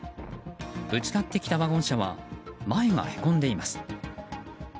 ぶつかってきたワゴン車は前がへこんでいます。